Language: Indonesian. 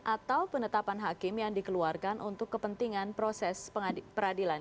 atau penetapan hakim yang dikeluarkan untuk kepentingan proses peradilan